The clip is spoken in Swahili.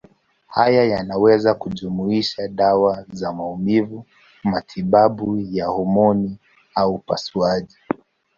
Haya yanaweza kujumuisha dawa za maumivu, matibabu ya homoni au upasuaji.